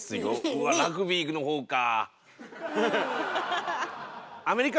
うわラグビーのほうかぁ。